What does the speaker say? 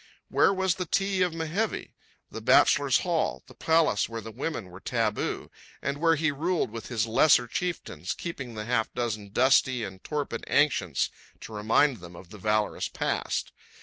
Where was the Ti of Mehevi, the bachelors' hall, the palace where women were taboo, and where he ruled with his lesser chieftains, keeping the half dozen dusty and torpid ancients to remind them of the valorous past?